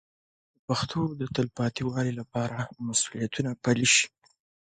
د پښتو د تلپاتې والي لپاره مسوولیتونه پلي شي.